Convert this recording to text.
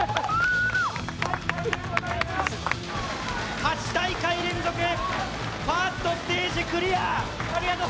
８大会連続ファーストステージクリア！